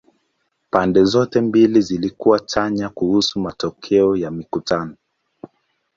Pande zote mbili zilikuwa chanya kuhusu matokeo ya mikutano.